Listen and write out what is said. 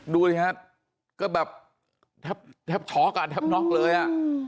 ดูอย่างงี้นะครับก็แบบแทบช็อคอ่ะแทบน็อคเลยอ่ะ